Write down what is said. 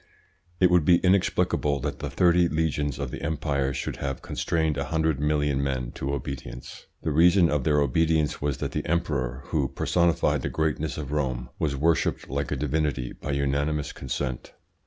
... It would be inexplicable that the thirty legions of the Empire should have constrained a hundred million men to obedience." The reason of their obedience was that the Emperor, who personified the greatness of Rome, was worshipped like a divinity by unanimous consent.